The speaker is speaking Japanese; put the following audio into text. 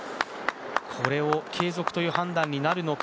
これを継続という判断になるのか。